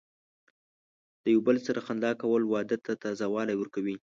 د یو بل سره خندا کول، واده ته تازه والی ورکوي.